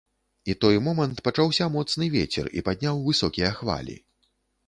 І той момант пачаўся моцны вецер і падняў высокія хвалі.